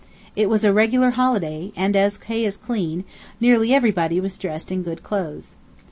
It was a regular holiday, and as hay is clean, nearly everybody was dressed in good clothes.